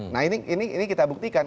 nah ini kita buktikan